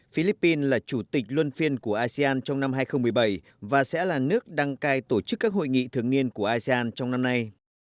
philippines là chủ tịch luân phiên của asean trong năm hai nghìn một mươi bảy và sẽ là nước đăng cai tổ chức các hội nghị thường niên của asean trong năm nay